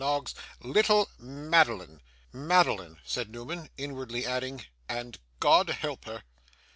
Noggs. Little Madeline!' 'Madeline!' said Newman; inwardly adding, 'and God help her!